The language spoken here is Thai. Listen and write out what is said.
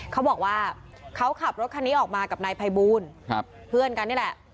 เขาบอกว่าเขาขับรถคันนี้ออกมากับนายภัยบูลเพื่อนกันนี่แหละ